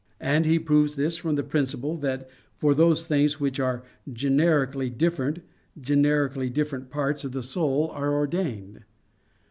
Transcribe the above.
And he proves this from the principle that for those things which are "generically different, generically different parts of the soul are ordained."